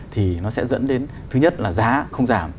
thì nó sẽ dẫn đến thứ nhất là giá không giảm